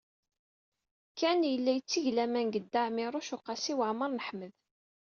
Ken yella yetteg laman deg Dda Ɛmiiruc u Qasi Waɛmer n Ḥmed.